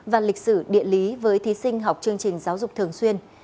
và lịch sử địa lý với thí sinh học chương trình giáo dục thường xuyên